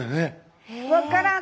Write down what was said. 分からん！